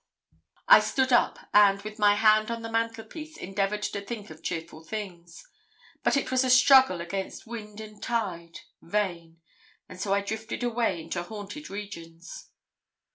I stood up, and, with my hand on the mantelpiece, endeavoured to think of cheerful things. But it was a struggle against wind and tide vain; and so I drifted away into haunted regions.